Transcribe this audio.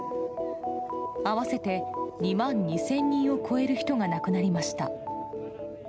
合わせて２万２０００人を超える人が亡くなりました。